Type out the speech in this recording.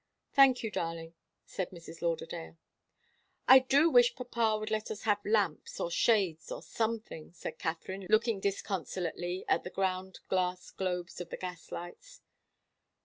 "Thank you, darling," said Mrs. Lauderdale. "I do wish papa would let us have lamps, or shades, or something," said Katharine, looking disconsolately at the ground glass globes of the gaslights.